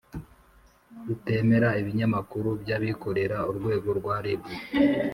rutemera ibinyamakuru by’abikorera urwego rwa rib